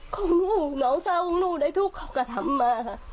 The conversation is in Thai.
ของหนูน้องซาของหนูได้ทุกขกฎธรรมมาค่ะ